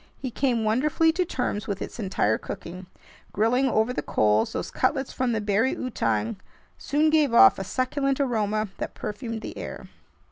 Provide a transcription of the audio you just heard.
He came wonderfully to terms with its entire cooking. Grilling over the coals, those cutlets from the "bari outang" soon gave off a succulent aroma that perfumed the air.